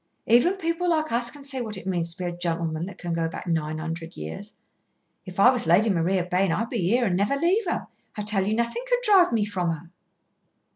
Even people like us can see what it means to a gentleman that can go back nine hundred years. If I was Lady Maria Bayne, I'd be here and never leave her. I tell you nothing could drive me from her."